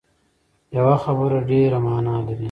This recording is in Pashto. یوه خبره ډېره معنا لري